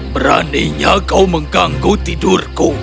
beraninya kau mengganggu tidurku